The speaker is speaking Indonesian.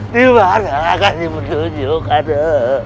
dimana akan dimetujuk ada